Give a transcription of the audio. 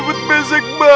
tidak ke neighbor